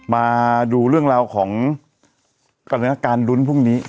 มาดูเรื่องของกำลังงับการรุ้นพรุ่งนี้